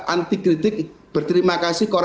anti kritik berterima kasih